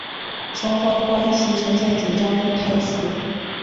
双方关系呈现紧张态势。